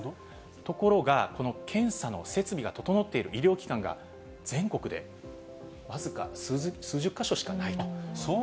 ところが、この検査の設備が整っている医療機関が、全国で僅か数十か所しかないと。